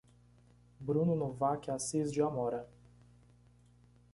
Bruno Novaque Assis de Amora